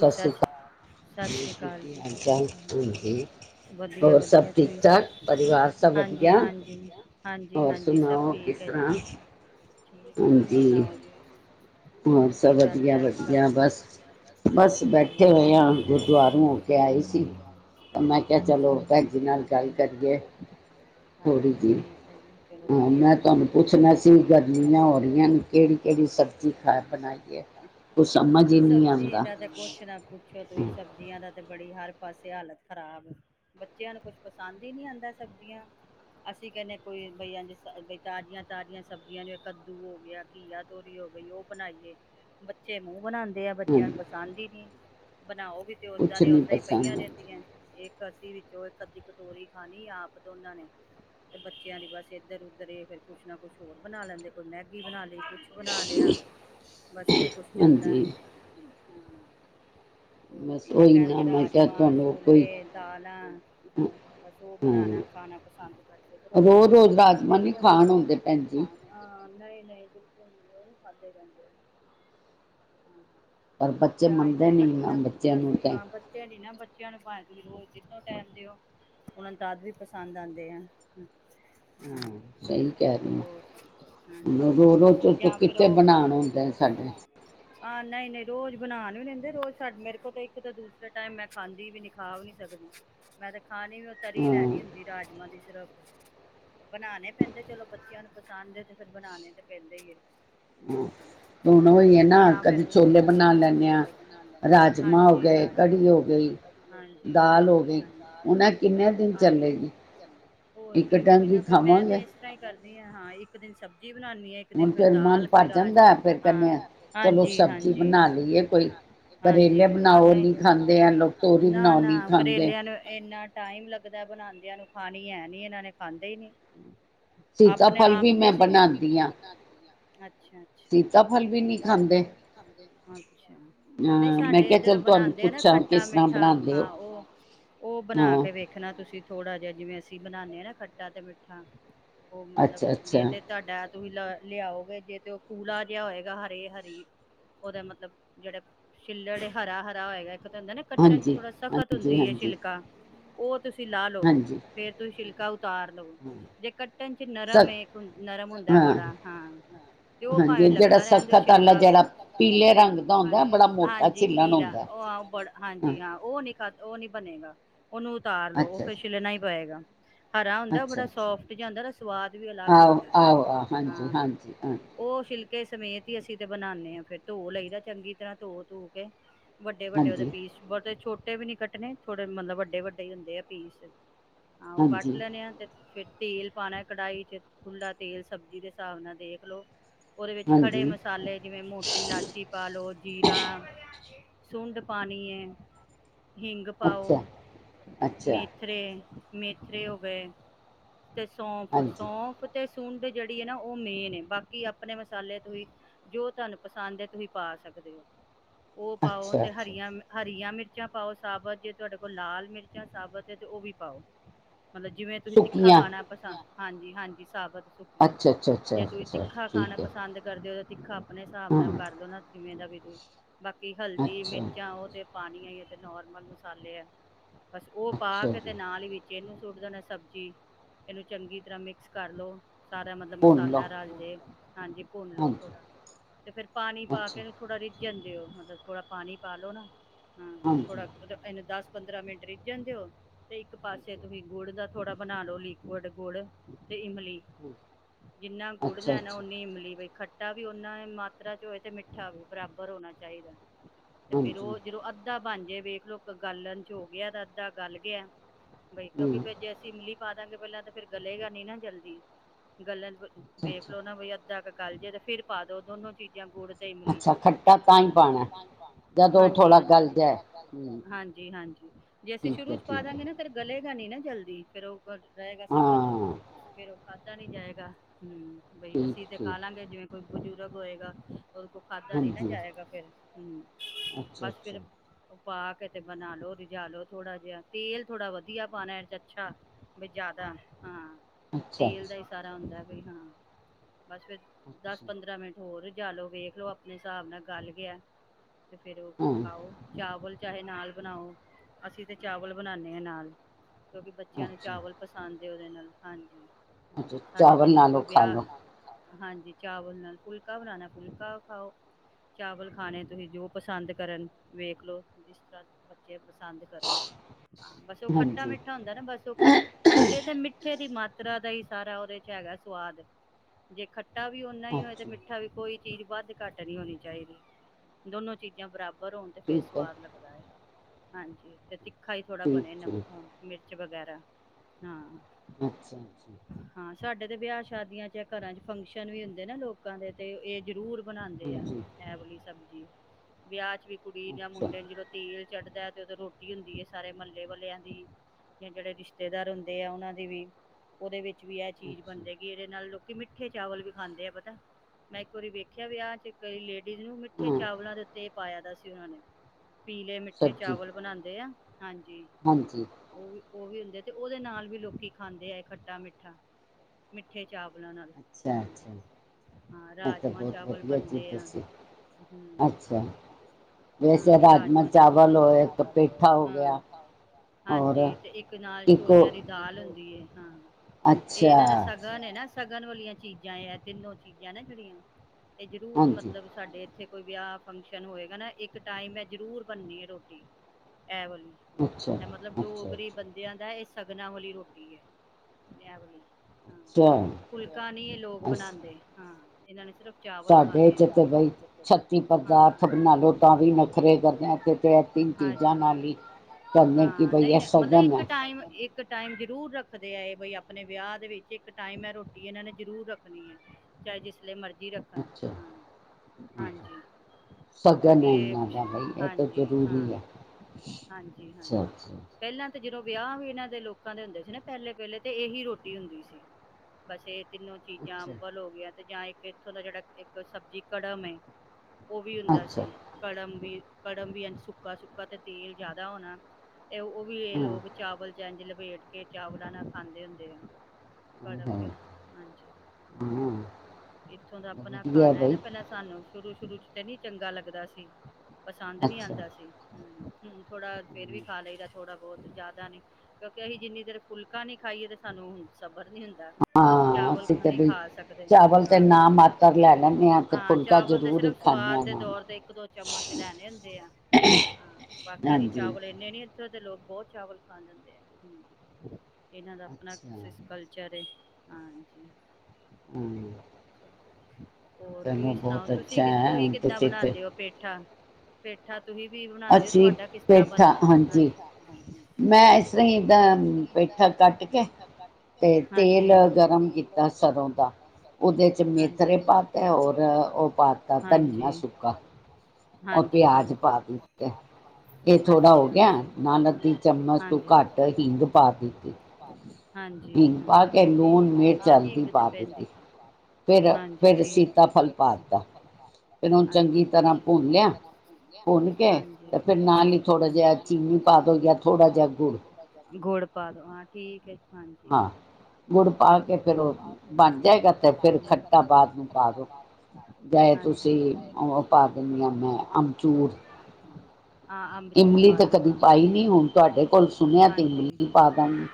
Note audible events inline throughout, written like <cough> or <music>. ਸਤਿ ਸਸ ਸਤਿ ਸ੍ਰੀ ਸ਼੍ਰੀ ਅਕਾਲ ਕੀ ਜੀ ਹਾਲ ਸਤਿ ਸ੍ਰੀ ਚਾਲ ਹਾਂਜੀ ਅਕਾਲ ਵਧੀਆ ਹੋਰ ਸਭ ਵਧੀਆ ਠੀਕ ਠਾਕ ਤੁਸੀ ਪਰਿਵਾਰ ਸਭ ਹਾਂਜੀ ਵਧੀਆ ਹਾਂਜੀ ਹਾਂਜੀ ਹੋਰ ਹਾਂਜੀ ਸਭ ਸੁਣਾਓ ਠੀਕ ਕਿਸ ਹੈ ਜੀ। ਤਰ੍ਹਾਂ ਠੀਕ ਤੁਸੀਂ ਹਾਂਜੀ ਸੁਣਾਓ ਜੀ ਹੋਰ ਕੀ ਸਭ ਚੱਲ ਰਿਹਾ ਅੱਜ ਵਧੀਆ-ਵਧੀਆ ਕੱਲ੍ਹ ਬਸ <inaudible> ਬਸ ਹਾਂਜੀ ਬੈਠੇ ਹੋਏ ਹਾਂ ਗੁਰਦੁਆਰੋਂ ਹੋ ਕੇ ਆਏ ਸੀ ਤਾਂ ਮੈਂ ਕਿਹਾ ਅੱਛਾ ਚਲੋ ਭੈਣ ਜੀ ਨਾਲ ਗੱਲ ਕਰੀਏ ਥੋੜ੍ਹੀ ਹਾਂਜੀ ਜਿਹੀ ਠੀਕ ਆ ਜੀ ਚਲੋ ਹਾਂ ਵਦੀਆਂ ਮੈਂ ਫਿਰ ਤਾ ਤੁਹਾਨੂੰ ਪੁੱਛਣਾ ਸੀ ਹੋ ਰਹੀਆਂ ਨੇ ਕਿਹੜੀ-ਕਿਹੜੀ ਸਬਜ਼ੀ ਖ ਬਣਾਈਏ ਕੋ ਸਮਝ ਹੀ ਨਹੀਂ ਆਂਦਾ। ਕੁੱਛ ਨਾ ਪੁਛੇ ਤੁਸੀਂ ਸਬਜ਼ੀਆਂ ਦਾ ਤੇ ਬੜੀ ਹਰ ਪਾਸੇ ਹਾਲਤ ਖਰਾਬ ਏ ਬੱਚਿਆਂ ਨੂੰ ਕੁਛ ਪਸੰਦ ਹੀ ਨਹੀਂ ਆਉਂਦਾ ਸਬਜ਼ੀਆਂ ਅਸੀਂ ਕਹਿੰਦੇ ਕੋਈ ਬਈ ਅ ਬਈ ਤਾਜ਼ੀਆਂ-ਤਾਜ਼ੀਆਂ ਸਬਜ਼ੀਆਂ ਜਿਵੇ ਕੱਦੂ ਹੋ ਗਿਆ, ਘੀਆ ਤੋਰੀ ਹੋ ਗਈ ਉਹ ਬਣਾਈਏ ਬੱਚੇ ਮੂੰਹ ਬਣਾਂਦੇ ਆ ਹਾਂਜੀ ਬੱਚਿਆਂ ਨੂੰ ਪਸੰਦ ਹੀ ਨੀ ਬਣਾਓ ਵੀ ਤੇ ਓਦਾਂ ਕੁਛ ਦੀ ਨਹੀਂ ਓਦਾਂ ਹੀ ਪਈਆਂ ਪਸੰਦ ਰਹਿੰਦੀਆਂ ਕਸੀ ਵਿੱਚੋਂ ਇੱਕ ਅੱਧੀ ਕਟੋਰੀ ਖਾਣੀ ਆਪ ਤੇ ਉਹਨਾਂ ਨੇ ਤੇ ਬੱਚਿਆਂ ਦੀ ਬਸ ਇੱਧਰ-ਉਧਰ ਏ ਫਿਰ ਕੁਛ ਨਾ ਕੁਛ ਹੋਰ ਬਣਾ ਲੈਂਦੇ ਕੋਈ ਮੈਗੀ ਬਣਾ ਲਈ ਕੁਛ ਬਣਾ ਲਿਆ। ਬਸ ਇਹ ਕੁਛ ਚੱਲਦਾ। ਹਾਂਜੀ ਹੋਰੀ ਬਸ ਕੀ ਜਾਂ ਉਹੀ ਨਾ ਕਹਿਣਗੇ ਮੈਂ ਕਿਹਾ ਰਾਜਮਾਂ, ਤੁਹਾਨੂੰ ਕੋਈ ਛੋਲੇ, ਦਾਲਾਂ ਹਾਂ ਬਸ ਉਹ ਬਣਾਣਾ ਖਾਣਾ ਪਸੰਦ ਕਰਦੇ ਫ ਉਹ ਰੋਜ਼ ਰੋਜ਼ ਖਾਧੇ ਰਾਜਮਾਂ ਨੀ ਖਾਣ ਹੁੰਦੇ ਭੈਣ ਜੀ ਨਹੀਂ ਨਹੀਂ ਬਿਲਕੁਲ ਨਹੀ ਓ ਨੀ ਖਾਦੇ ਜਾਂਦੇ। ਪਰ ਬੱਚੇ ਜਾਂ ਇੱਕ ਮੰਨਦੇ ਨੀ ਨਾ ਬੱਚਿਆਂ ਖਟੀਆਂ-ਮਿੱਠੀਆਂ ਨੂੰ ਕਹਿ ਹਾਂ ਬਚੇ ਨੀ ਨਾ ਬੱਚਿਆਂ ਨੂੰ ਪਾਏ ਤੁਸੀ ਰੋਜ ਤਿੰਨੋ ਟਾਇਮ ਦਯੋ ਓਨਾ ਨੂੰ ਤਦ ਵੀ ਪਸੰਦ ਆਂਦੇ ਆ। ਹਾਂ ਸਹੀ ਕਹਿ ਰਹੀ ਹੋਰ ਹਾਂਜੀ ਹ ਜਾਂ ਫਿਰ ਕਿੱਥੇ ਉਹ ਬਣਾਉਣ ਹੁਣਦਾ ਸਾਡੇ ਨਹੀਂ-ਨਹੀਂ ਰੋਜ਼ ਬਣਾਉਣ ਵੀ ਹੁੰਦੇ ਰੋਜ਼ ਸਾਡੇ ਮੇਰੇ ਕੋਲ ਤਾਂ ਇੱਕ ਤੋ ਦੂਸਰੇ ਟਾਈਮ ਮੈਂ ਖਾਂਦੀ ਵੀ ਨੀ ਖਾ ਵੀ ਨੀ ਸਕਦੀ ਮੈਂ ਤੇ ਖਾਣੀ ਵੀ ਉਹ ਤਰੀ ਹਾਂ ਲੈਣੀ ਹੁੰਦੀ ਰਾਜਮਾਂ ਦੀ ਸਿਰਫ। ਬਣਾਣੇ ਪੈਂਦੇ ਚਲੋ ਬੱਚਿਆਂ ਨੂੰ ਪਸੰਦ ਏ ਤੇ ਫਿਰ ਬਣਾਣੇ ਤੇ ਪੈਂਦੇ ਹੀ ਏ। ਹੁਣ ਉਹੀ ਹੈ ਨਾ ਫਿਰ ਕਦੀ ਛੋਲੇ ਬਣਾ ਲੈਂਦੇ ਹਾਂ ਰਾਜਮਾਂ ਹੋ ਹਾਂਜੀ ਗਏ ਕੜੀ ਹੋ ਗਈ ਦਾਲ ਹੋ ਹਾਂਜੀ-ਹਾਂਜੀ ਗਈ ਉਹਨਾਂ ਕਿੰਨੇ ਦਿਨ ਚੱਲੇਗੀ ਹੋਰ ਇੱਕ ਕੀ ਉਹ ਫ ਟਾਈਮ ਹੀ ਨਾ ਫਿਰ ਮੈਂ ਤੇ ਖਾਵਾਂਗੇ ਇਸ ਤਰਾਂ ਕਰ ਹਾਂ ਇੱਕ ਦਿਨ ਸਭ ਜੀ ਬਣਾਨੀ ਹਾ ਇੱਕ ਦਿਨ ਹੁਣ ਫਿਰ ਮਨ ਦਾਲ ਕੋਈ ਭਰ ਰਾਜ ਜਾਂਦਾ ਫਿਰ ਕਹਿੰਦੇ ਹਾਂ ਆ ਚਲੋ ਸਬਜ਼ੀ ਹਾਂਜੀ-ਹਾਂਜੀ। ਬਣਾ ਕੋਈ ਕਰੇਲੇ ਬਣਾਓ ਨਹੀਂ ਨੀ ਖਾਂਦੇ ਇਹ ਲੋਕ ਤੋਰੀ ਨਾ ਬਣਾਓ ਨਾ ਨੀ ਉਹ ਖਾਂਦੇ। ਕਰੇਲਿਆਂ ਨੂੰ ਇੰਨਾ ਟਾਈਮ ਲੱਗਦਾ ਬਣਾਉਦਿਆਂ ਨੂੰ ਖਾਣੀ ਐ ਨੀ ਇਹਨਾਂ ਨੇ ਖਾਂਦੇ ਹੀ ਨੀ। ਆਪਣੇ ਸੀਤਾਫਲ ਆਪ ਵੀ ਮੈਂ ਅਸੀਂ ਬਣਾਉਂਦੀ ਹਾਂ ਅੱਛਾ-ਅੱਛਾ ਸੀਤਾਫਲ ਵੀ ਨਹੀਂ ਸੀਤਾ ਫਲ ਖਾਂਦੇ ਵੀ ਨੀ ਖਾਂਦੇ। ਅੱਛਾ ਨਹੀਂ ਹਾਂ ਮੈਂ ਸਾਡੇ ਕਿਹਾ ਇੱਧਰ ਚਲ ਤੁਹਾਨੂੰ ਬਣਾਉਂਦੇ ਆ ਨਾ ਪੁੱਛਾਂ ਖੱਟਾ ਕਿਸ ਤਰ੍ਹਾਂ ਮਿੱਠਾ ਬਣਾਉਂਦੇ ਹੋ ਹਾਂ ਉਹ, ਉਹ ਬਣਾ ਹਾਂ ਕੇ ਵੇਖਣਾ ਤੁਸੀਂ ਥੋੜਾ ਜਿਹਾ ਜਿਵੇਂ ਅਸੀਂ ਬਨਾਣੇ ਹ ਨਾ ਖੱਟਾ ਤੇ ਮਿੱਠਾ। ਉਹ ਮਤਲਬ ਅੱਛਾ ਅੱਛਾ ਜੇ ਤੇ ਤੁਹਾਡਾ ਤੁਸੀਂ ਲ ਲਿਆਓਗੇ ਜੇ ਤੇ ਉਹ ਕੂਲਾ ਜਿਹਾ ਹੋਏਗਾ ਹਰੇ ਹਰੀ ਉਹਦਾ ਮਤਲਬ ਜਿਹੜੇ ਛਿੱਲੜ ਹਰਾ ਹਰਾ ਹੋਏਗਾ ਹੁੰਦਾ ਨਾ ਕੱਟਣ ਚ ਹਾਂਜੀ ਥੋੜਾ ਸਖਤ ਹਾਂਜੀ ਹੁੰਦੀ ਹੈ ਹਾਂਜੀ ਸ਼ਛਿਲਕਾ ਉਹ ਤੁਸੀਂ ਲਾ ਲਓ ਹਾਂਜੀ ਫੇਰ ਤੁਸੀਂ ਸ਼ਿਲਕਾ ਉਤਾਰ ਲਓ ਜੇ ਕੱਟਣ ਚ ਸ ਨਰਮ ਨਰਮ ਹੁੰਦਾ ਹਾਂ ਬੜਾ ਹਾਂ ਤੇ ਉਹ ਭਾਵੇਂ ਹਾਂਜੀ ਜਿਹੜਾ ਲੱਗਾ ਰਹਿੰਦੇਓ ਸਖਤ ਵਾਲਾ ਲਕਾ ਜਿਹੜਾ ਪੀਲੇ ਰੰਗ ਦਾ ਹੁੰਦਾ ਹਾਂਜੀ ਬੜਾ ਮੋਟਾ ਹਾਂਜੀ ਛਿੱਲਣ ਪੀਲਾ ਹੁੰਦਾ ਉਹ ਬੜ ਹਾਂਜੀ ਹਾਂ ਉਹ ਨੀ ਖਾਧ ਉਹ ਨੀ ਬਣੇਗਾ ਉਹਨੂੰ ਉਤਾਰ ਲੋ ਉਹ ਅੱਛਾ ਫਿਰ ਅੱਛਾ ਛਿੱਿਲਣਾ ਹੀ ਪਏਗਾ ਹਰਾ ਹੁੰਦੈ, ਅੱਛਾ ਬੜਾ ਅੱਛਾ ਸੋਫਟ ਜਿਹਾ ਹੁੰਦੈ, ਉਹਦਾ ਸਵਾਦ ਵੀ ਅਲੱਗ ਆਹੋ ਹੁੰਦੈ, ਆਹੋ ਆਹ ਹਾਂਜੀ ਹ ਹਾਂਜੀ ਹਾਂ ਉਹ ਸ਼ਿਲ ਛਿਲਕੇ ਸਮੇਂਤ ਹੀ ਅਸੀਂ ਤੇ ਬਨਾਂਨੇ ਹਾਂ, ਫਿਰ ਧੋ ਲਈਦੈ, ਚੰਗੀ ਤਰ੍ਹਾਂ ਧੋ -ਧੂ ਕੇ ਵੱਡੇ -ਵੱਡੇ ਉਹਦੇ ਹਾਂਜੀ ਪੀਸ, ਬਹੁ ਛੋਟੇ ਕੁੱਟੇ ਵੀ ਨੀ ਕੱਟਣੇ, ਥੋੜੇ ਮਤਲਬ ਵੱਡੇ- ਵੱਡੇ ਹੀ ਹੁੰਦੇ ਆ ਪੀਸ ਆਹ ਉਹ ਕੱਟ ਹਾਂਜੀ ਲੈਨੇ ਆ ਤੇ ਫਿਰ ਤੇਲ ਪਾਨੈ ਕੜਾਹੀ ਚ, ਖੁੱਲਾ ਤੇਲ ਸਬਜ਼ੀ ਦੇ ਹਿਸਾਬ ਨਾਲ, ਦੇਖ ਲਓ। ਉਹਦੇ ਵਿੱਚ ਖੜੇ ਹਾਂਜੀ ਮਸਾਲੇ, ਜਿਵੇਂ ਮੋਟ ਇਲਾਚੀ ਪਾ ਲੋ, ਜੀਰਾ ਸੂੰਡ ਪਾਣੀ ਏ। ਹਿੰਗ ਪਾਓ, ਅੱਛਾ ਅੱਛਾ ਮੇਥਰੇ ਮੇਥਰੇ ਹੋ ਗਏ। ਤੇ ਸੌਂਫ, ਹਾਂਜੀ ਸੌਂਫ ਤੇ ਸੁੰਡ ਜਿਹੜੀ ਐ ਨਾ, ਉਹ ਮੇਨ ਏ, ਬਾਕੀ ਆਪਣੇ ਮਸਾਲੇ ਤੋਂ ਹੀ, ਜੋ ਤੁਹਾਨੂੰ ਪਸੰਦ ਐ, ਤੁਸੀਂ ਪਾ ਸਕਦੇ ਓ। ਓ ਪਾਓ ਅੱਛਾ ਤੇ, ਅੱਛਾ ਹਰੀਆਂ -ਹਰੀਆਂ, ਮ ਮਿਰਚਾਂ ਪਾਓ ਸਾਬਤ, ਜੇ ਤੁਹਾਡੇ ਕੋਲ ਲਾਲ ਮਿਰਚਾਂ ਸਾਬਤ ਐ, ਤੇ ਉਹ ਵੀ ਪਾਓ। ਮਤਲਬ ਜਿਵੇਂ, ਤੁਸੀਂ ਤਿੱਖਾ ਸੁੱਕੀਆਂ ਖਾਣਾ ਪਸੰਦ ਹਾਂਜੀ, ਹਾਂਜੀ ਸਾਬਤ। ਸੁੱਕੀਆਂ ਅੱਛਾ, ਅੱਛਾ, ਅੱਛਾ, ਜੇ ਤੁਸੀਂ ਅੱਛਾ ਤਿੱਖਾ ਖਾਣਾ ਠੀਕ ਹੈ। ਪਸੰਦ ਕਰਦੇ ਹੋ ਤਾਂ ਤਿੱਖਾ ਆਪਣੇ ਹਿਸਾਬ ਹਾਂ ਨਾਲ ਕਰਦੋ ਨਾ, ਕਿਵੇਂ ਦਾ ਵੀ <inaudible> ਬਾਕੀ ਹਲਦੀ, ਅੱਛਾ ਮਿਰਚਾਂ, ਉਹ ਤੇ ਪਾਨੀ ਐ, ਅਤੇ ਨੋਰਮਲ ਮਸਾਲੇ ਹੈ। ਬਸ ਉਹ ਪਾ ਅੱਛਾ ਕੇ ਜੀ ਤੇ ਨਾਲ ਹੀ, ਵਿੱਚ ਇਹਨੂੰ ਸੁੱਟਦੇਣੈ ਸਬਜ਼ੀ, ਇਹਨੂੰ ਚੰਗੀ ਤਰ੍ਹਾਂ ਮਿਕਸ ਕਰ ਲੋ। ਸਾਰਾ ਮਤਲਬ, ਭੁੰਨ ਲਓ ਮਸਾਲਾ ਰਲ ਜੇ, ਹਾਂਜੀ ਭੁੰਨ ਲੋੋ ਹਾਂਜੀ ਥੋੜਾ। ਤੇ ਫੇਰ ਪਾਨੀ ਪਾ ਕੇ, ਅੱਛਾ ਇਹਨੂੰ ਥੋੜਾ ਰਿਜ ਜਾਂਦੇ ਓ ਮਤਲਬ, ਥੋੜਾ ਪਾਨੀ ਪਾਲੋ ਨਾ। ਹਾਂ ਤੇ ਹਾਂਜੀ ਥੋੜਾ, ਇਹਨੂੰ ਦੱਸ ਪੰਦਰਾਂ ਮਿੰਟ ਰਿੱਜਨ ਦਿਓ। ਤੇ ਇੱਕ ਪਾਸੇ, ਹਾਂਜੀ, ਤੁਸੀਂ ਗੁੜ ਦਾ ਥੋੜਾ ਬਣਾ ਲੋ ਲਿਕੁਡ ਗੁੜ ਇਮਲੀ ਜਿੰਨਾ ਗੁੜ ਅੱਛਾ ਲੈਣਾ ਅੱਛਾ ਉਨੀ ਇਮਲੀ ਬਈ ਖ ਤਾਂ ਵੀ ਉਹਨਾਂ ਮਾਤਰਾ ਚ ਹੋਏ ਤੇ ਮਿੱਠਾ ਵੀ ਬਰਾਬਰ ਹੋਣਾ ਚਾਹੀਦਾ ਤੇ ਫੇਰ ਹਾਂਜੀ ਉਹ ਜਦੋਂ ਅੱਧਾ ਹਾਂਜੀ ਵੇਖਲੋ ਗੱਲਣ ਚ ਹੋ ਗਿਆ ਤਾਂ ਅੱਧਾ ਗਲ ਗਿਆ ਬਈ ਕਿਉਂਕਿ ਹਮ ਫੇਰ ਜੇ ਅਸੀਂ ਇਮਲੀ ਪਾ ਦਾਂਗੇ ਪਹਿਲਾਂ ਤਾਂ ਫੇਰ ਗੱਲੇ ਗਾ ਨੀ ਨਾ ਜਲਦੀ ਗਲਣ ਅੱਛਾ ਅੱਛਾ ਵੇਖਲੋ ਨਾ ਬਈ ਅੱਧਾ ਕ ਕੱਲ ਜੇ ਤੇ ਫਿਰ ਪਾ ਦੋ ਦੋਨੋ ਚੀਜ਼ ਜਾਂ ਗੁੜ ਤੇ ਇਮਲੀ ਅੱਛਾ ਖੱਟਾ ਤਾਂ ਹੀ ਪਾਉਣਾ ਜਦੋਂ ਉਹ ਹਜੀ ਥੋੜ੍ਹਾ ਹਾਂਜੀ ਗਲ ਜਾਏ ਹਮ ਹਾਂਜੀ ਹਾਂਜੀ ਜੇ ਅਸੀਂ ਠੀਕ ਸ਼ੁਰੂ ਹੈ ਚ ਪਾ ਠੀਕ ਹੈ ਦਾਂਗੇ ਨਾ ਫੇਰ ਗਲੇ ਗਾ ਨਾ ਜਲਦੀ ਫੇਰ ਉਹ ਰਹੇਗਾ ਸਖਤ ਹਾਂ ਫੇਰ ਉਹ ਖਾਤ ਦਾਂ ਨਹੀਂ ਜਾਏਗਾ ਹਮ ਬਈ ਅਸੀਂ ਠੀਕ ਤੇ ਠੀਕ ਖਾ ਲਾਂਗੇ ਜਿਵੇਂ ਕੋਈ ਬਜ਼ੁਰਗ ਹੋਏਗਾ ਉਹਦੇ ਕੋਲ ਖਾਧਾ ਨੀ ਨਾ ਹਾਂਜੀ ਜਾਏਗਾ ਫੇਰ ਹਮ ਅੱਛਾ ਬਸ ਅੱਛਾ ਫਿਰ ਪਾ ਕੇ ਤੇ ਬਣਾ ਲੋ ਰੀਜਾ ਲੋ ਥੋੜਾ ਜਿਹਾ ਤੇਲ ਥੋੜਾ ਵਧੀਆ ਪਾਣਾ ਇਹ ਚ ਅੱਛਾ ਵੀ ਜਿਆਦਾ ਹਾਂ ਅੱਛਾ ਤੇਲ ਦਾ ਅੱਛਾ ਹੀ ਸਾਰਾ ਹੁੰਦਾ ਬਈ ਹਾਂ ਬਸ ਫੇਰ ਦਸ ਅੱਛਾ ਪੰਦਰਾਂ ਮਿੰਟ ਹੋਰ ਜਾ ਲਓ ਵੇਖ ਲੋ ਆਪਣੇ ਹਿਸਾਬ ਨਾਲ ਗੱਲ ਗਿਆ ਤੇ ਫੇਰ ਉਹ ਹਾਂ ਖਾਓ ਚਾਵਲ ਚਾਹੇ ਨਾਲ ਬਣਾਓ ਅਸੀਂ ਤੇ ਚਾਵਲ ਬਣਾਦੇ ਹਾਂ ਨਾਲ ਕਿਉਂਕਿ ਬੱਚਿਆਂ ਨੂੰ ਅੱਛਾ ਚਾਵਲ ਪਸੰਦ ਉਹਦੇ ਨਾਲ ਹਾਂਜੀ ਅੱਛਾ ਸਾਡੇ ਤੇ ਚਾਵਲ ਇੱਥੇ ਨਾਲ ਲੋ ਕੋਈ ਖਾ ਵਿਆਹ ਲੋੋ ਹਾਂਜੀ ਚਾਵਲ ਨਾਲ ਫੁਲਕਾ ਬਣਾਉਣਾ ਫੁਲਕਾ ਖਾਓ ਚਾਵਲ ਖਾਣੇ ਤੁਸੀਂ ਜੋ ਪਸੰਦ ਕਰਨ ਵੇਖ ਲਓ ਜਿਸ ਤਰ੍ਹਾਂ ਬੱਚੇ ਪਸੰਦ ਕਰਨ ਬਸ ਉਹ ਖੱਟਾ ਹਾਂਜੀ ਮਿੱਠਾ ਹੁੰਦਾ ਨਾ ਬਸ ਉਹ ਖ ਖੱਟੇ ਤੇ ਮਿੱਠੇ ਦੀ ਮਾਤ ਖਤਰਾ ਦਾ ਹੀ ਸਾਰਾ ਉਹਦੇ ਚ ਹੈਗਾ ਸਵਾਦ ਜੇ ਾ ਵੀ ਓਨਾ ਹੀ ਹੋਇਆ ਤੇ ਅੱਛਾ ਮਿੱਠਾ ਵੀ ਕੋਈ ਚੀਜ਼ ਵੱਧ ਘੱਟ ਨਹੀਂ ਹੋਣੀ ਚਾਹੀਦੀ ਦੋਨੋ ਚੀਜ਼ਾਂ ਬਰਾਬਰ ਪਰਰੋਣ ਤੇ ਫਿਰ ਠੀਕ ਹੈ ਸਵਾਦ ਲੱਗਦਾ ਹੈ ਹਾਂਜੀ ਤੇ ਖਾਈ ਥੋੜਾ ਬਣੇਿਆ ਠੀਕ ਨਮ ਠੀਕ ਮਿਰ ਵਗੈਰਾ ਹਾਂ ਅੱਛਾ ਅੱਛਾ ਹਾਂ ਸਾਡੇ ਤੇ ਵਿਆਹ ਸ਼ਾਦੀਆਂ ਚ ਘਰਾਂ ਚ ਫੰਕਸ਼ਨ ਵੀ ਹੁੰਦੇ ਨਾ ਲੋਕ ਲੋਕਾਂ ਦੇ ਤੇ ਇਹ ਜ਼ਰੂਰ ਬਣਾਉਂਦੇ ਆ ਹਾਂਜੀ ਐਵਲੀ ਸਬਜ਼ੀ ਵਿਆਹ ਵੀ ਕੁੜੀ ਜਾਂ ਅੱਛਾ ਮੁੰਡੇ ਨੂੰ ਜਦੋਂ ਤੇਲ ਚੜ੍ਹਦਾ ਉਦੋਂ ਰੋਟੀ ਹੁੰਦੀ ਹੈ ਸਾਰੇ ਮਹੱਲੇ ਵਾਲੱਲਿਆਂ ਦੀ ਜਾਂ ਜਿਹੜੇ ਰਿਸ਼ਤੇਦਾਰ ਹੁੰਦੇ ਆ ਉਹਨਾਂ ਦੀ ਵੀ ਉਹਦੇ ਵਿੱਚ ਵੀ ਇਹ ਚੀਜ਼ ਅੱਛਾ ਬਣਦੇਗੀ ਇਹਦੇ ਨਾਲ ਲੋਕੀ ਮਠੇ ਚਾਵਲ ਵੀ ਖਾਂਦੇ ਆ ਪਤਾ ਮੈਂ ਇੱਕ ਵਾਰੀ ਵੇਖਿਆ ਵਿਆਹ ਚ ਕਈ ਲੇਟ ਨੂੰ ਮਿੱਠੇ ਹਾਂ ਚਾਵਲਾਂ ਦੇ ਉੱਤੇ ਪਾਇਆ ਦਾ ਸੀ ਉਹਨਾਂ ਨੇ ਪੀਲੇ ਮਿੱਠੇ ਸਬਜ਼ੀ ਚਾਵਲ ਬਣਾਉਦੇ ਆ ਹਾਂਜੀ ਹਾਂਜੀ ਉਹ ਵੀ ਉਹ ਵੀ ਹੁੰਦੇ ਤੇ ਉਹਦੇ ਨਾਲ ਵੀ ਲੋਕੀ ਖਾਂਦੇ ਆ ਖੱਟਾ ਮਿੱਠਾ ਮਿੱਠੇ ਚਾਵ ਨਾਲ ਅੱਛਾ ਹਾਂ ਅੱਛਾ ਹਾਂ ਇਹ ਤਾਂ ਰਾਜਮਾਂ ਬਹੁਤ ਚਾਵਲ ਵਧੀਆ ਚੀਜ਼ ਬਣਦੇ ਆ ਦੱਸੀ ਹਮ ਅੱਛਾ ਵੈਸੇ ਰਾਜਮਾਂ ਚਾਵਲ ਹੋਏ ਇੱਕ ਪੇਠਾ ਹੋ ਗਿਆ ਹਾਂ ਹ ਔਰ ਹਾਂਜੀ ਤੇ ਇੱਕ ਨਾਲ ਇੱਕ ਉਹ ਛੋਲਿਆਂ ਦੀ ਦਾਲ ਹੁੰਦੀ ਏ ਹਾਂ ਅੱਛਾ ਇਹਨਾਂ ਦਾ ਸਗਨ ਹੈ ਨਾ ਸਕਗਣ ਵਾਲੀਆਂ ਚੀਜ਼ਾਂ ਤਿੰਨੋ ਚੀਜ਼ਾਂ ਨਾ ਜਿਹੜੀਆਂ ਇਹ ਜ਼ਰੂਰ ਹਾਂਜੀ ਮਤਲਬ ਸਾਡੇ ਇੱਥੇ ਕੋਈ ਵਿਆਹ ਫੰਕਸ਼ਨ ਹੋਏਗਾ ਨਾ ਇੱਕ ਟਾਈਮ ਮੈਂ ਜਰੂਰ ਬਣਨੀ ਆ ਰੋਟੀ। ਐ ਵਾਲੀ ਅੱਛਾ ਮਤਲਬ ਦੋ ਅੱਛਾ ਗਰੀਬ ਅੱਛਾ ਬੰਦਿਆਂ ਦਾ ਇਸ ਸ਼ਗਨਾਂ ਵਾਲੀ ਰੋਟੀ ਐ <unintelligible> ਵਾਲੀ ਹਾਂ ਅੱਛਾ ਫੁਲਕਾ ਨੀ ਇਹ ਲੋਕ ਅ ਬਣਾਉਂਦੇ ਹਾਂ ਇਹਨਾਂ ਨੇ ਸਿਰਫ਼ ਚਾਵਲ ਸਾਡੇ ਖਾਣੇ ਚ ਹਾਂ ਤੇ ਬਈ ਛੱਤੀ ਪਦਾਰਥ ਬਣਾ ਲੋ ਤਾਂ ਵੀ ਨਖਰੇ ਕਰਦੇ ਆ ਤੇ ਇਹ ਤਿੰਨ ਚੀਜ਼ਾਂ ਹਾਂਜੀ ਨਾਲ ਹੀ ਕਹਿੰਦੇ ਕਿ ਹਾਂ ਬਈ ਨਈ ਇਹ ਨਈ ਮਤਲਬ ਸਗਨ ਇੱਕ ਹੈ ਟਾਈਮ ਇੱਕ ਟਾਈਮ ਜਰੂਰ ਰੱਖਦੇ ਆ ਇਹ ਬਈ ਆਪਣੇ ਵਿਆਹ ਦੇ ਵਿੱਚ ਇੱਕ ਟਾਈਮ ਐ ਰੋਟੀ ਇਹਨਾਂ ਨੇ ਜ਼ਰੂਰ ਰੱਖਣੀ ਐ। ਚਾਹੇ ਜਿਸ ਲਈ ਮਰ ਅੱਛਾ ਅਛ ਹਾਂਜੀ ਸਗਨ ਕਿਉਂਕਿ ਐ ਇਹ ਏਨਾ ਦਾ ਬਈ ਇਹ ਤਾਂ ਹਾਂਜੀ ਜ਼ਰੂਰੀ ਹਾਂ ਐ ਹਾਂਜੀ ਹਾਂਜੀ ਅੱਛਾ-ਅੱਛਾ ਪਹਿਲਾਂ ਤਾਂ ਜਦੋਂ ਵਿਆਹ ਵੀ ਇਹਨਾਂ ਦੇ ਲੋਕਾਂ ਦੇ ਹੁੰਦੇ ਸੀ ਨਾ ਪਹਿਲੇ-ਪਹਿਲੇ ਤੇ ਇਹੀ ਰੋਟੀ ਹੁੰਦੀ ਸੀ ਬਸ ਇਹ ਤਿੰਨੋ ਚੀਜ਼ਾਂ ਅੱਛਾ ਅੰਬਲੋਂ ਤੇ ਜਾਂ ਇੱਕ ਇੱਥੋਂ ਦਾ ਜਿਹੜਾ ਇੱਕ ਸਬਜ਼ੀ ਕੜਮ ਏ ਉਹ ਵੀ ਹੁੰਦਾ ਅੱਛਾ ਸੀ ਕੜਮ ਵੀ ਕੜਮ ਵੀ ਏਨ ਸੁੱਕਾ-ਸੁੱਕਾ ਤੇ ਤੇਲ ਜਿਆਦਾ ਹੋਣਾ ਤੇ ਉਹ ਵੀ ਹਾਂ ਲੋਕ ਚਾਵਲ ਚ ਐਂਜ ਲਪੇਟ ਕੇ ਚਾਵਲਾਂ ਨਾਲ ਖਾਂਦੇ ਹੁੰਦੇ ਆ ਕੜਮ ਹਾਂ ਵੀ ਹਾਂਜੀ ਹੂੰ ਹਾਂ ਇੱਥੋਂ ਦਾ ਆਪਣਾ ਵਧੀਆ ਖਾਣਾ ਹੈ ਬਈ ਨਾ ਪਹਿਲਾਂ ਸਾਨੂੰ ਸ਼ੁਰੂ-ਸ਼ੁਰੂ ਚ ਚ ਨੀ ਚੰਗਾ ਲੱਗਦਾ ਸੀ। ਪਸੰਦ ਨੀ ਅੱਛਾ ਆਉਂਦਾ ਸੀ ਹੂੰ ਹੂੰ ਥੋੜਾ ਫੇਰ ਵੀ ਖਾ ਲਈਦਾ ਥੋੜਾ ਬਹੁਤ ਜ਼ਿਆਦਾ ਨੀ ਕਿਉਂਕਿ ਅਸੀਂ ਜਿੰਨੀ ਦੇਰ ਫੁਲਕਾ ਨੀ ਖਾਈਏ ਤੇ ਸਾਨੂੰ ਸਬਰ ਨੀ ਹੁੰਦਾ ਹਾਂ ਚਾਵਲ ਅਸੀਂ ਤੇ ਨਹੀਂ ਬਈ ਖਾ ਸਕਦਾ ਚਾਵਲ ਤੇ ਨਾ ਮਾਤਰ ਲੈ ਲੈਂਦੇ ਤੇ ਹਾਂ ਫੁਲਕਾ ਚਾਵਲ ਤੇ ਜ਼ਰੂਰ ਹੀ ਸਿਰਫ ਖਾਂਦੇ ਸਵਾਦ ਹਾਂ ਦੇ ਨਾਲ ਦੌਰ ਤੇ ਇੱਕ ਦੋ ਚਮਚ ਲੈਣੇ ਹੁੰਦੇ ਆ ਬਾਕੀ ਨੀ ਹਾਂਜੀ ਚਾਵਲ ਇੰਨੇ ਨੀ ਇਧਰ ਦੇ ਲੋਕ ਬਹੁਤ ਚਾਵਲ ਖਾ ਜਾਂਦੇ ਆ ਹੂੰ ਇਹਨਾਂ ਦਾ ਆਪਣਾ ਅੱਛਾ ਕਲਚਰ ਏ ਹਾਂਜੀ। ਹੂੰ ਹਾਂ। <unintelligible> ਹੋਰ ਤੁਸੀਂ ਸੁਣਾਓ ਤੁਸੀਂ ਕੀ ਹੈ ਤੁਸੀਂ ਹੁਣ ਕਿੱਦਾਂ ਤੇ ਬਣਾਉਂਦੇ ਓ ਪੇਠਾ? ਪੇਠਾ ਤੁਸੀਂ ਵੀ ਬਣਾਦੇ ਓ ਅਸੀਂ ਤੁਹਾਡਾ ਕਿਸ ਤਰ੍ਹਾਂ ਬੰਦ ਪੇਠਾ ਹਾਂਜੀ ਮੈਂ ਇਸ ਤਰ੍ਹਾਂ ਇਹਦਾ ਪੇਠਾ ਕੱਟ ਕੇ ਅਤੇ ਹਾਂਜੀ। ਤੇਲ ਗਰਮ ਕੀਤਾ ਸਰੋਂ ਦਾ। ਉਹਦੇ 'ਚ ਮੇਥਰੇ ਪਾਤ ਔਰ ਉਹ ਪਾ ਤ ਹਾਂਜੀ, ਧਨੀਆ ਸੁੱਕਾ ਔਰ ਹਾਂਜੀ ਪਿਆਜ ਪਾ ਹਾਂਜੀ ਦਿੱਤੇ ਇਹ ਥੋੜਾ ਹੋ ਅੱਛਾ ਗਿਆ ਹਾਂਜੀ ਨਾਲ ਅੱਧੀ ਚਮਚ ਤੋਂ ਘੱਟ ਹਾਂ ਹਿੰਗਪਾ ਕੇ ਲੂਣ ਮਿਰਚ ਹਲਦੀ ਪਾ ਦਿੱਤੀ ਫਿਰ ਹਾਂਜੀ ਫਿਰ ਠੀਕ ਸੀਤਾਫਲ ਪਾ ਸੀ ਤੇ ਦਿੱਤਾ ਫਿਰ ਉਹਨੂੰ ਚੰਗੀ ਤਰ੍ਹਾਂ ਭੁੰਨ ਲਿਆ ਭੁੰਨ ਕੇ ਤੇ ਫਿਰ ਨਾਲ ਹੀ ਥੋੜਾ ਜਿਹਾ ਨਾਲ ਹੀ ਚੀਨੀ ਥੋੜੇ ਪਾ ਜਿਹਾ ਦੋ ਜਾਂ ਸੀ ਥੋੜਾ ਪਾਗਲ ਜਿਹਾ ਗੁੜ ਥੋੜਾ ਜਿਹਾ ਗੁੜ ਪਾ ਦੋ ਹਾਂ ਠੀਕ ਹਾਂਜੀ। ਹਾਂ ਗੁੜ ਪਾ ਕੇ ਫੇਰ ਉਹ ਬਣ ਜਾ ਜਦੋਂ ਬਣ ਜਾਏਗਾ ਨਾ ਫਿਰ ਤੁਸੀਂ ਚਾਹੇ ਉਹਦੇ ਤੁਸੀਂ ਵਿੱਚ ਥੋੜਾ ਜਿਹਾ ਖੱਟਾ ਜਿਵੇਂ ਕਿ ਉਹ ਪਾ ਥੋੜਾ ਦਿੰਦੀ ਹਾਂ ਜਿਹਾ ਆਮਚੂਰ ਮੈਂ ਪਾ ਅਮਚੂਰ ਦੇਣਾ ਹਾ ਅੰਬ ਚੂਰ ਇਮਲੀ ਪਾ ਤਾਂ ਦੋ ਹਾਂ ਕਦੀ ਪਾਈ ਨਹੀਂ ਹੁਣ ਤੁਹਾਡੇ ਕੋਲ ਸੁਣਿਆ ਤੇ ਹਾਜੀ ਇਮਲੀ ਪਾ ਦਾਂਗੀ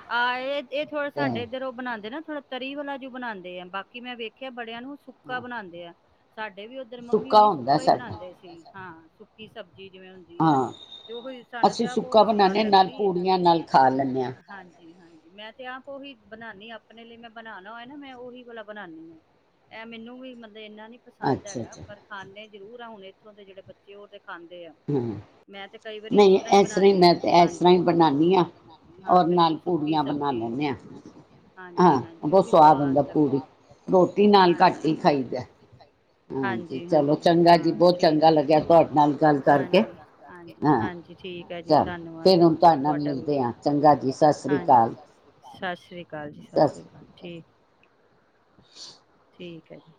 ਆ ਤੇ ਸਾਡੇ ਇਧਰ ਉਹ ਬਣਾਦੇ ਨਾ। ਥੋੜਾ ਤਰੀ ਵਾਲਾ ਜੋ ਬਣਾਉਦੇ ਆ ਬਾਕੀ ਮੈਂ ਵੇਖਿਆ ਬੜਿਆਂ ਨੂੰ ਸੁੱਕਾ ਹਾਂ ਬਣਾਂਦੇ ਆ। ਸਾਡੇ ਵੀ ਉੱਧਰ ਮੰਮੀ ਹੁਣੀ ਹੁੰਦਾ ਸੁੱਕਾ ਹੀ ਸਾਡਾ ਬਣਾਉਂਦੇ ਸੀ। ਹਾਂ ਸੁੱਕੀ ਸਬਜ਼ੀ ਜਿਵੇਂ ਹੁੰਦੀ ਹੈ ਨਾ ਹਾਂ ਤੇ ਉਹੀ ਸਾਨੂੰ ਤੇ ਅਸੀਂ ਆਪ ਸੁੱਕਾ ਉਹੀ ਸਵਾਦ ਬਣਾਉਦੇ ਨਾਲ ਲਗਦੀ ਆ ਪੂੜੀਆਂ ਨਾਲ ਖਾ ਲੈਂਦੇ ਹਾਂ ਹਾਂਜੀ। ਹਾਂਜੀ ਮੈਂ ਤੇ ਆਪ ਉਹੀ ਬਣਾਉਾਨੀ ਆਪਣੇ ਲਈ ਮੈਂ ਬਣਾਉਣਾ ਹੋਏ ਨਾ ਮੈਂ ਉਹੀ ਆਲਾ ਬਣਾਣੀ ਹਾਂ ਇਹ ਮੈਨੂੰ ਵੀ ਮਤਲਬ ਇੰਨਾ ਨੀ ਪਸੰਦ ਅੱਛਾ ਹੈਗਾ ਅੱਛਾ ਪਰ ਖਾਨੇ ਜ਼ਰੂਰ ਆਣ ਇੱਥੋਂ ਦੇ ਜਿਹੜੇ ਬੱਚੇ ਉਹਦੇ ਖਾਂਦੇ ਆ ਹਮ ਮੈਂ ਤੇ ਕਈ ਵਾਰੀ ਇਸ ਨਹੀਂ ਤਰ੍ਹਾਂ ਹੀ ਬਣਾਦੀ ਮੈਂ ਹ ਤਾਂ ਇਸ ਹਾਂਜੀ ਤਰ੍ਹਾਂ ਹੀ ਬਣਾਉਂਦੀ ਹਾਂ ਹਾਂ ਔਰ ਨਾਲ ਬਿਲਕੁਲ ਸੁੱਕੀ ਪੂੜੀਆਂ ਬਣਾ ਸਬਜ਼ੀ ਲੈਂਦੇ ਹਾਂ ਹਾਂਜੀ ਹਾਂ ਹਾਂਜੀ ਉਹ ਬਹੁਤ ਵੀ ਸਵਾਦ ਹੁੰਦਾ ਪੂਰੀ ਲਗਦਾ। ਰੋਟੀ ਨਾਲ ਘੱਟ ਹੀ ਖਾਈਦਾ। ਹਾਂਜੀ ਚਲੋ ਹਾਂਜੀ ਚੰਗਾ ਜੀ ਬਹੁਤ ਹਾਂਜੀ ਚੰਗਾ ਲੱਗਿਆ ਤੁਹਾਡੇ ਨਾਲ ਗੱਲ ਕਰਕੇ ਹਾਂਜੀ ਹਾਂਜੀ ਹਾਂ ਹਾਂਜੀ ਠੀਕ ਆ ਜੀ ਚਲ ਧੰਨਵਾਦ ਫਿਰ ਹੁਣ ਬਹੁਤ ਬਹੁਤ ਤੁਹਾਡੇ ਨਾਲ ਤੁਹਾਡਾ ਵੀ ਮਿਲਦੇ ਹਾਂ ਚੰਗਾ ਜੀ ਸਤਿ ਸ੍ਰੀ ਹਾਂ ਸੀ। ਅਕਾਲ ਸਤਿ ਸ਼੍ਰੀ ਅਕਾਲ ਸਤਿ ਸ਼੍ਰੀ ਅਕਾਲ ਜੀ ਸਤਿ ਸ੍ਰੀ ਅਕਾਲ ਠੀਕ <unintelligible> ਠੀਕ ਹੈ ਜੀ।